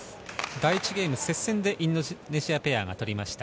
第１ゲーム、接戦でインドネシアペアが取りました。